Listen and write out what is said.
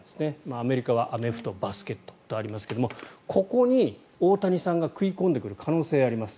アメリカはアメフトバスケットとありますがここに大谷さんが食い込んでくる可能性があります。